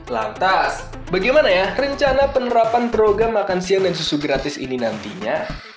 lantas bagaimana ya rencana penerapan program makan siang dan susu gratis ini nantinya